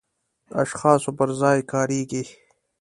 اشخاصو پر ځای کاریږي.